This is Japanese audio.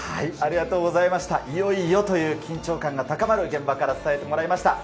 いよいよという緊張感が高まる現場から伝えてもらいました。